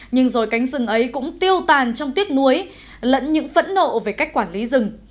nhưng rồi cánh rừng ấy cũng tiêu tàn trong tiếc nuối lẫn những phẫn nộ về cách quản lý rừng